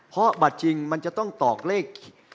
เพราะบัตรจริงมันจะต้องตอกเลข